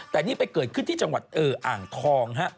แต่นี่ไปเกิดขึ้นที่จังหวัดอ่างทองฮะ